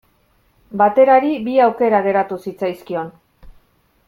Baterari bi aukera geratu zitzaizkion.